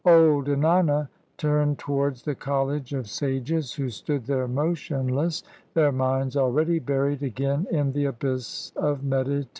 Old Ennana turned towards the college of sages, who stood there motionless, their minds already bxiried again in the abyss of meditation.